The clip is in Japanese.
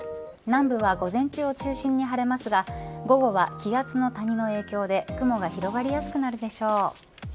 南部は午前中を中心に晴れますが午後は気圧の谷の影響で雲が広がりやすくなるでしょう。